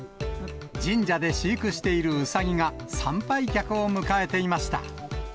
神社で飼育しているうさぎが参拝客を迎えていました。